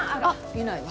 いないわ。